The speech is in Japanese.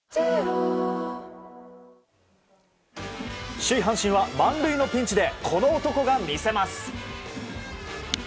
首位、阪神は満塁のピンチでこの男が見せます。